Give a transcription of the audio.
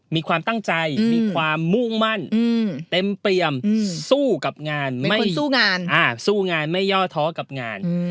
มีความตั้งใจมีความมุ่งมั่นเต็มเปรียมสู้กับงานไม่ย่อเทาะกับงาน